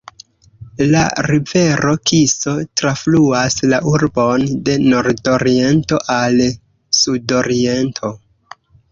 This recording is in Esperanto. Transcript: La rivero Kiso trafluas la urbon de nordoriento al sudoriento.